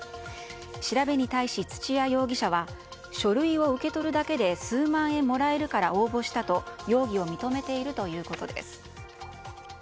調べに対し土屋容疑者は書類を受け取るだけで数万円もらえるから応募したと容疑を認めているということです。